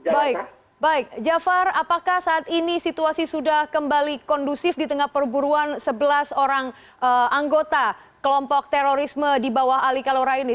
baik baik jafar apakah saat ini situasi sudah kembali kondusif di tengah perburuan sebelas orang anggota kelompok terorisme di bawah ali kalora ini